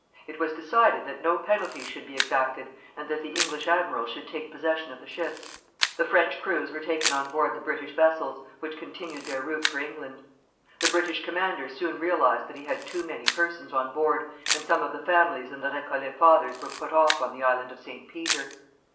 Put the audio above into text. It was decided that no penalties should be exacted, and that the English admiral should take possession of the ships. The French crews were taken on board the British vessels, which continued their route for England. The British commander soon realized that he had too many persons on board, and some of the families and the Récollet fathers were put off on the Island of St. Peter.